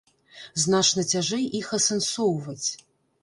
Значна цяжэй іх асэнсоўваць.